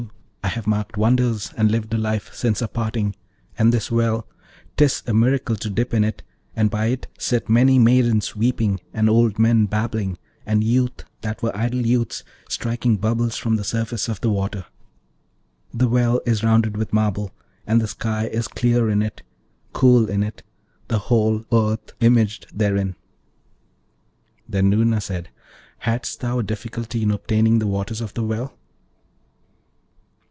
I have marked wonders, and lived a life since our parting; and this well, 'tis a miracle to dip in it, and by it sit many maidens weeping and old men babbling, and youths that were idle youths striking bubbles from the surface of the water. The well is rounded with marble, and the sky is clear in it, cool in it, the whole earth imaged therein.' Then Noorna said, 'Hadst thou a difficulty in obtaining the waters of the well?'